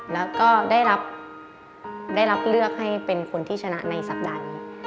แล้วก็ได้รับเลือกให้เป็นคนที่ชนะในสัปดาห์นี้